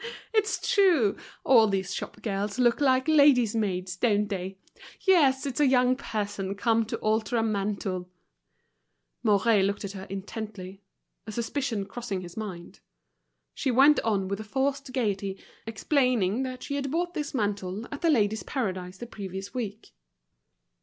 "It's true; all these shop girls look like ladies' maids, don't they? Yes, it's a young person come to alter a mantle." Mouret looked at her intently, a suspicion crossing his mind. She went on with a forced gaiety, explaining that she had bought this mantle at The Ladies' Paradise the previous week.